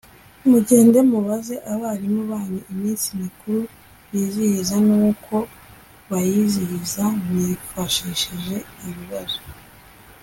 mugende mubaze abarimu banyu iminsi mikuru bizihiza n‘uko bayizihiza, mwifashishije ibibazo